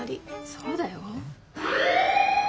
そうだよ。